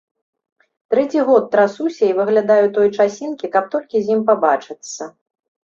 Трэці год трасуся і выглядаю той часінкі, каб толькі з ім пабачыцца.